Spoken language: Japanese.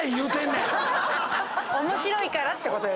面白いからってこと？